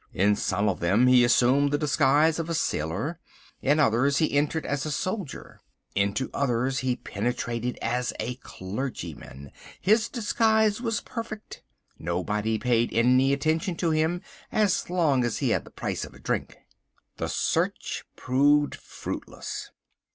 In some of them he assumed the disguise of a sailor. In others he entered as a solider. Into others he penetrated as a clergyman. His disguise was perfect. Nobody paid any attention to him as long as he had the price of a drink. The search proved fruitless.